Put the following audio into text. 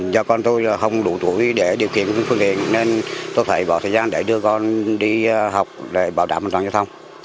do con tôi không đủ tuổi để điều kiện phương tiện nên tôi phải bỏ thời gian để đưa con đi học để bảo đảm an toàn giao thông